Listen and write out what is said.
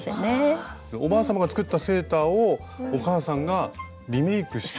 おばあさまが作ったセーターをお母さんがリメークして。